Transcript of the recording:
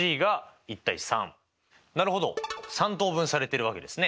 なるほど３等分されてるわけですね。